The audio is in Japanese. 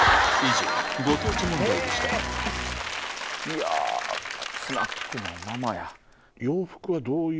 いやぁスナックのママや。